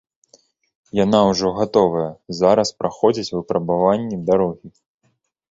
Яна ўжо гатовая, зараз праходзяць выпрабаванні дарогі.